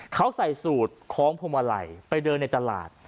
เขาใส่สูตรของพลมวะไหล่ไปเดินในตลาด